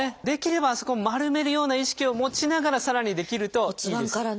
できればあそこは丸めるような意識を持ちながらさらにできるといいです。